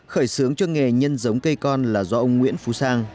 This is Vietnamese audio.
khởi xướng cho nghề nhân giống cây con là do ông nguyễn phú sang